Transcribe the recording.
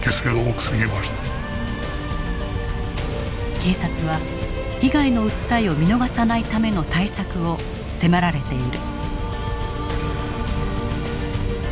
警察は被害の訴えを見逃さないための対策を迫られている。